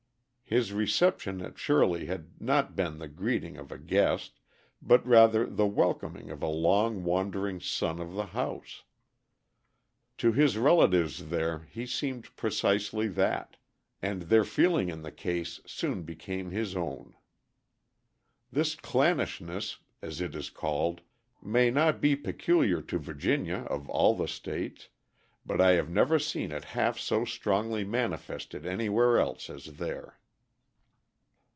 His reception at Shirley had not been the greeting of a guest but rather the welcoming of a long wandering son of the house. To his relatives there he seemed precisely that, and their feeling in the case soon became his own. This "clannishness," as it is called, may not be peculiar to Virginia of all the states, but I have never seen it half so strongly manifested anywhere else as there.